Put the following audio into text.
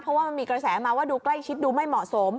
เพราะว่ามันมีกระแสมาว่าดูใกล้ชิดดูไม่เหมาะสม